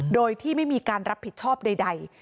โดยที่ไม่มีการรับผิดชอบใด